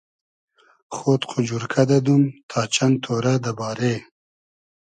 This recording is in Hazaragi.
خۉد خو جورکۂ دئدوم تا چئند تۉرۂ دۂ بارې